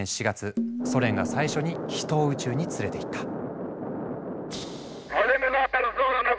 ソ連が最初に人を宇宙に連れていった。